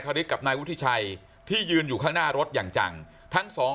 ฤทธิกับนายวุฒิชัยที่ยืนอยู่ข้างหน้ารถอย่างจังทั้งสอง